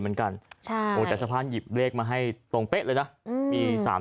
เหมือนกันใช่โอ้แต่สะพานหยิบเลขมาให้ตรงเป๊ะเลยนะมี๓๓